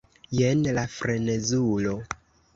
jen la frenezulo!